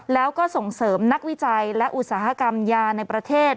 แล้วก็ส่งเสริมนักวิจัยและอุตสาหกรรมยาในประเทศ